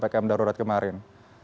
ppkm darurat kemarin